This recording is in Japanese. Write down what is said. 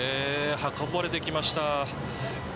運ばれてきました。